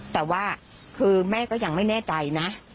แต่ว่าคือแม่ก็ยังไม่แน่ใจนะ